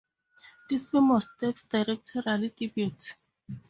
This film was Depp's directorial debut.